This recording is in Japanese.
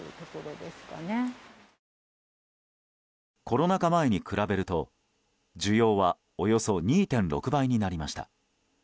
コロナ禍前に比べると、需要はおよそ２．６倍になりました。